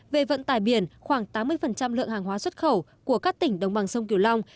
về vận tải biển khoảng tám mươi lượng hàng hóa xuất khẩu của các tỉnh đồng bằng sông kiều long